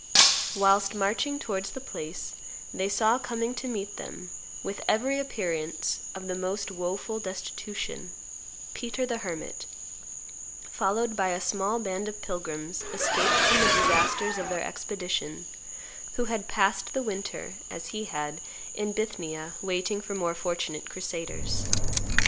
Whilst marching towards the place they saw coming to meet then, with every appearance of the most woful destitution, Peter the Hermit, followed by a small band of pilgrims escaped from the disasters of their expedition, who had passed the winter, as he had, in Bithynia, waiting for more fortunate crusaders.